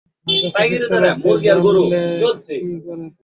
আমার কাছে পিস্তল আছে, জানলেন কী করে?